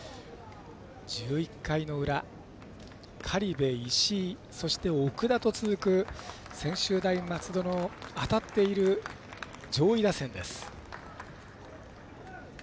１１回の裏、苅部、石井そして、奥田と続く専修大松戸の当たっている上位打線です。